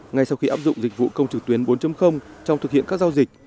ngay sau khi áp dụng dịch vụ công trực tuyến bốn trong thực hiện các giao dịch